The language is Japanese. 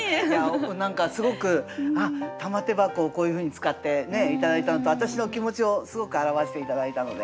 何かすごく「玉手箱」をこういうふうに使って頂いたのと私の気持ちをすごく表して頂いたのでありがとうございます。